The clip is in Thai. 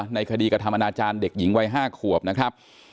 ในคดีกระทำอนาจารย์เด็กหญิงวัย๕ขวบนะครับ